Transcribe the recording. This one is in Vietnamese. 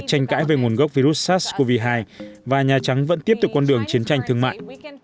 tranh cãi về nguồn gốc virus sars cov hai và nhà trắng vẫn tiếp tục con đường chiến tranh thương mại